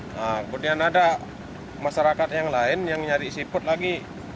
kemudian ada masyarakat yang lain yang mencari siput lagi